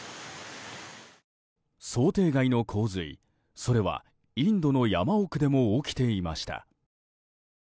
想定外の洪水、それはインドの山奥でも起きていました。